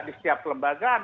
di setiap kelembagaan